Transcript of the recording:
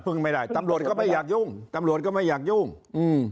ไม่ได้ตำรวจก็ไม่อยากยุ่งตำรวจก็ไม่อยากยุ่งอืม